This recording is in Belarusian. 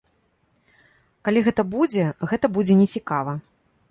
Калі гэта будзе, гэта будзе нецікава.